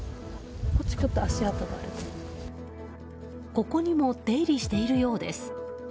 ここにも出入りしているようです。